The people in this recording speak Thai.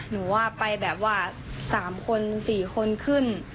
หนูว่าไปแบบว่าสามคนสี่คนขึ้น